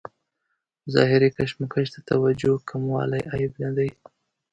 ظاهري کشمکش ته توجه کموالی عیب نه دی.